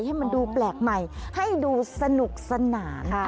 ให้มันดูแปลกใหม่ให้ดูสนุกสนาน